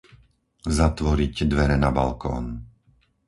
Zatvoriť dvere na balkón.